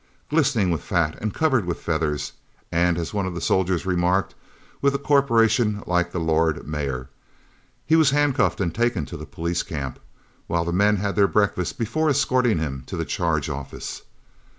Glistening with fat and covered with feathers, and, as one of the soldiers remarked, "with a corporation like the Lord Mayor." He was handcuffed and taken to the police camp, while the men had their breakfast before escorting him to the Charge Office.